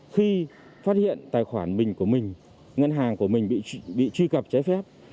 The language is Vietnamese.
khi phát hiện tài khoản mình của mình ngân hàng của mình bị truy cập trái phép